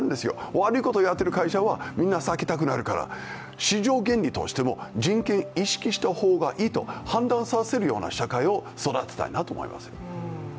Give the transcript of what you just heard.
悪いことをやっている会社はみんな避けたくなるから、市場原理としても人権を意識した方がいいと判断させるような社会を育てたいなと思います。